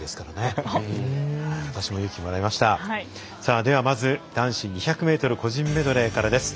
では、まず男子２００ｍ個人メドレーからです。